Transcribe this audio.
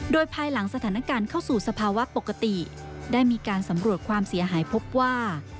โดยภายหลังสถานการณ์เข้าสู่สภาวะปกติได้มีการสำรวจความเสียหายพบว่า